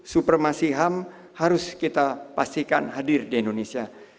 supremasi ham harus kita pastikan hadir di indonesia